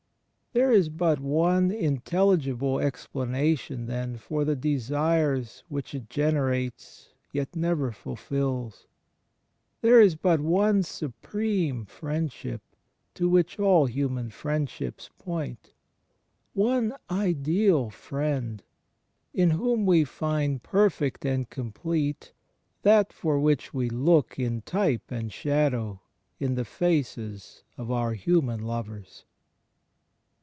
There is but one intelligible explana tion then for the desires which it generates yet never fulfils; there is but one supreme friendship to which all human friendships point; one Ideal Friend in whom we find perfect and complete that for which we look in type and shadow in the faces of our hxmian lovers.